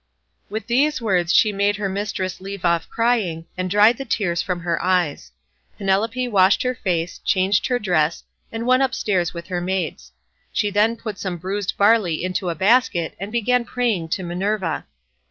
With these words she made her mistress leave off crying, and dried the tears from her eyes. Penelope washed her face, changed her dress, and went upstairs with her maids. She then put some bruised barley into a basket and began praying to Minerva.